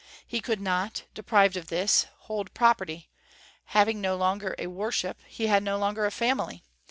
"He could not, deprived of this, hold property; having no longer a worship, he had no longer a family.